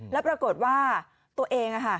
แล้วปรากฏว่าตัวเอง